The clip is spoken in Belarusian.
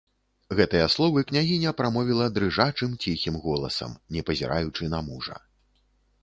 Гэтыя словы княгіня прамовіла дрыжачым ціхім голасам, не пазіраючы на мужа.